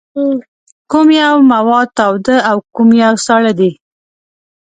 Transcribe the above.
کوم یو مواد تاوده او کوم یو ساړه دي؟